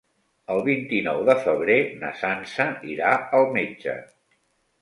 El vint-i-nou de febrer na Sança irà al metge.